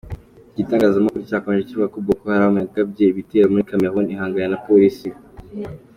Iki gitangazamakuru cyakomeje kivuga ko Boko Haram yagabye ibitero muri Cameroun igahangana na polisi.